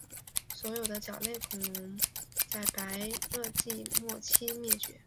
所有的角龙类恐龙在白垩纪末期灭绝。